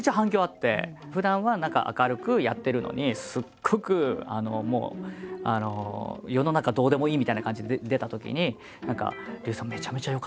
ふだんは何か明るくやってるのにすっごくもう世の中どうでもいいみたいな感じで出たときに「リュウジさんめちゃめちゃ良かったです」みたいな。